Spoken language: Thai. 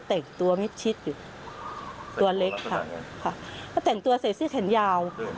เด็กเคยมาอยู่ครั้งหนึ่งเขาหิวข้าว